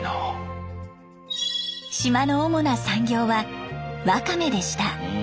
島の主な産業はワカメでした。